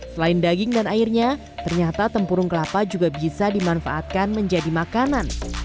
selain daging dan airnya ternyata tempurung kelapa juga bisa dimanfaatkan menjadi makanan